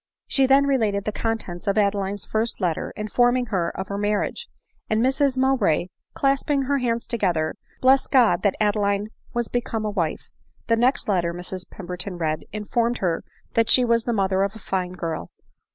She then related the contents of Adeline's first letter, informing her of her marriage :— and Mrs Mowbray, clasping her hands together, blessed God that Adeline was become a wife. The next letter Mrs Pemberton read informed her that she was the mother, of a fine girl.